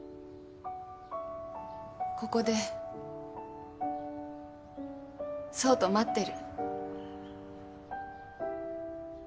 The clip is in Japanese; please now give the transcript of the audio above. ここで爽と待ってる。